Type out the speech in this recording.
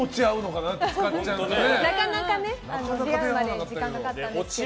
なかなか出会うまでに時間がかかったんですけど。